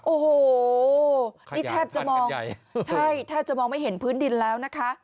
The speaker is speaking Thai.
โอ้โหนี่แทบจะมองใช่แทบจะมองไม่เห็นพื้นดินแล้วนะคะ